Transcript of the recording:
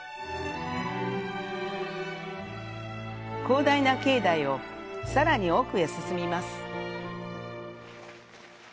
広大な境内をさらに奥へ進みます。